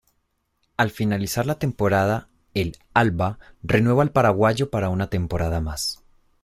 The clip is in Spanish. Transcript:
Al finalizar la temporada, el 'Alba' renueva al paraguayo para una temporada más.